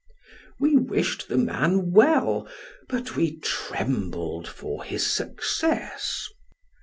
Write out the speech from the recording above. We wished the man well, but we trembled for his success.